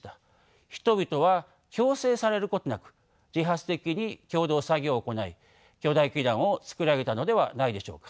人々は強制されることなく自発的に共同作業を行い巨大基壇を造り上げたのではないでしょうか。